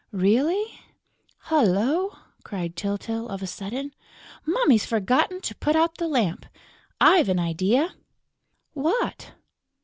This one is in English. "Really?" "Hullo!" cried Tyltyl of a sudden. "Mummy's forgotten to put out the lamp!... I've an idea!" "What?"